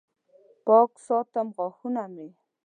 پاک ساتم غاښونه مې